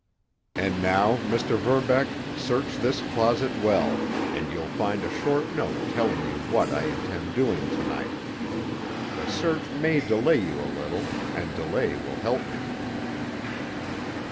"And now, Mr. Verbeck, search this closet well, and you'll find a short note telling you what I intend doing to night. The search may delay you a little, and delay will help me."